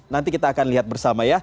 nanti kita akan lihat bersama ya